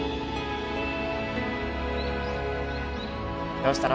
どうしたの？